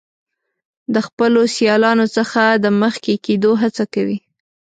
د خپلو سیالانو څخه د مخکې کیدو هڅه کوي.